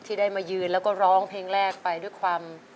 ที่ได้มายืนแล้วก็ร้องเพลงแรกไปด้วยความ